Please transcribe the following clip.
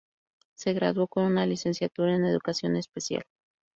Se graduó con una licenciatura en educación especial.